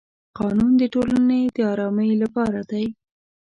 قانون د ټولنې د ارامۍ لپاره دی.